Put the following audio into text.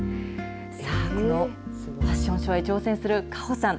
さあ、このファッションショーに挑戦する果歩さん。